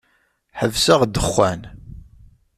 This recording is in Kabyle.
Ḥebseɣ dexxan.